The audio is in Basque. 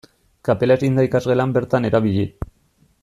Kapela ezin da ikasgelan bertan erabili.